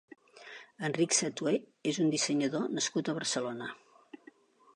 Enric Satué és un dissenyador nascut a Barcelona.